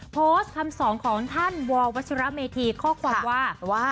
โพสต์คำสองของท่านววเมธีข้อความว่า